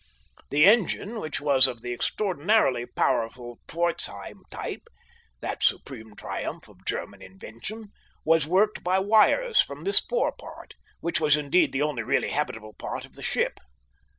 The engine, which was of the extraordinarily powerful Pforzheim type, that supreme triumph of German invention, was worked by wires from this forepart, which was indeed the only really habitable part of the ship.